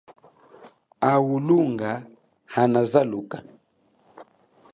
Awu lunga hana zaluka.